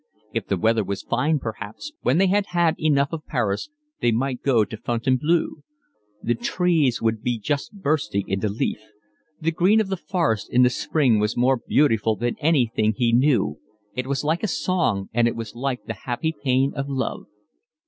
If the weather was fine perhaps, when they had had enough of Paris, they might go to Fontainebleau. The trees would be just bursting into leaf. The green of the forest in spring was more beautiful than anything he knew; it was like a song, and it was like the happy pain of love.